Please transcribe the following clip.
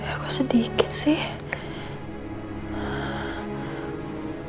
ya kok sedikit sih